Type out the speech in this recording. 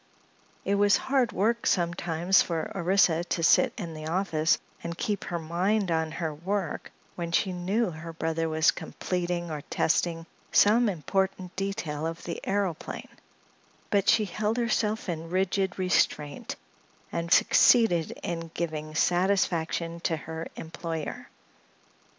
It was hard work sometimes for Orissa to sit in the office and keep her mind on her work when she knew her brother was completing or testing some important detail of the aëroplane, but she held herself in rigid restraint and succeeded in giving satisfaction to her employer.